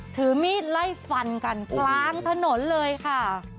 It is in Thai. ถือมีดไล่ฟันกันกลางถนนเลยค่ะ